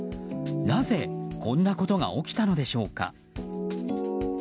なぜ、こんなことが起きたのでしょうか。